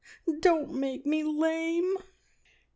Don't make me lame!"